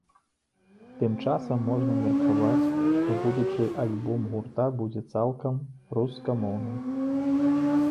Тым часам, можна меркаваць, што будучы альбом гурта будзе цалкам рускамоўным.